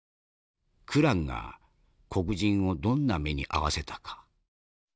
クランが黒人をどんな目に遭わせたか？